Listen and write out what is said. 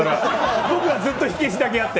僕がずっと火消しだけやって。